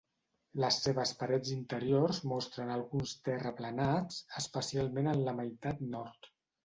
Les seves parets interiors mostren alguns terraplenats, especialment en la meitat nord.